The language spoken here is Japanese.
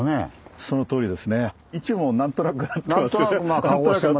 そのとおりです。